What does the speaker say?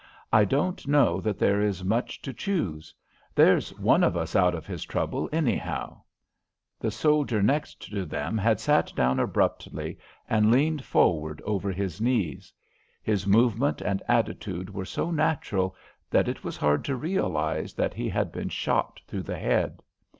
I don't know that there is much to choose. There's one of us out of his troubles, anyhow." The soldier next them had sat down abruptly, and leaned forward over his knees. His movement and attitude were so natural that it was hard to realise that he had been shot through the head.